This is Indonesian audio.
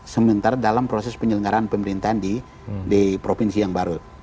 sementara dalam proses penyelenggaraan pemerintahan di provinsi yang baru